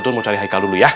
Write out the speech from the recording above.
tuh mau cari haikal dulu ya